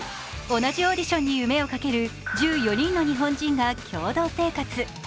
同じオーディションに夢をかける１４人の日本人が共同生活。